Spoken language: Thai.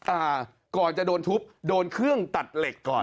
อ่าก่อนจะโดนทุบโดนเครื่องตัดเหล็กก่อน